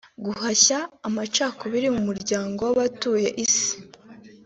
guhashya amacakubiri mu muryango w’abatuye Isi